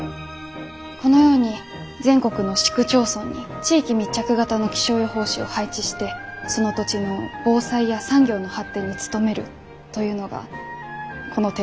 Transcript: このように全国の市区町村に地域密着型の気象予報士を配置してその土地の防災や産業の発展に努めるというのがこの提案の趣旨ですが。